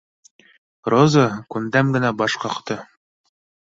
Роза күндәм генә баш ҡаҡты: